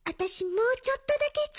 もうちょっとだけよ。